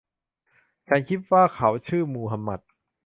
ฉันคิดว่าเขาชื่อมูฮัมหมัด